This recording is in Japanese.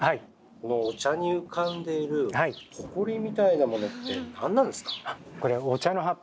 このお茶に浮かんでいるホコリみたいなものって何なんですか？